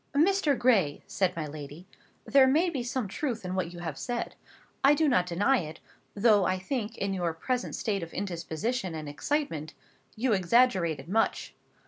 "Mr. Gray," said my lady, "there may be some truth in what you have said. I do not deny it, though I think, in your present state of indisposition and excitement, you exaggerate it much.